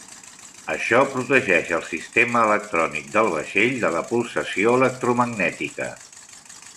Això protegeix el sistema electrònic del vaixell de la pulsació electromagnètica.